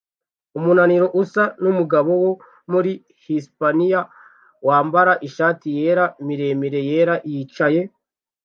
Umunaniro usa numugabo wo muri Hisipaniya wambaye ishati yera miremire yera yicaye